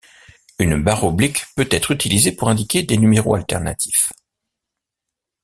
Une barre oblique peut être utilisée pour indiquer des numéros alternatifs.